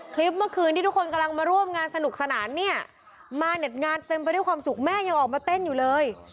คลิปเมื่อคืนที่ทุกคนกำลังมาร่วมงานสนุกสนานเนี่ยมาเน็ตงานเต็มไปด้วยความสุขแม่ยังออกมาเต้นอยู่เลย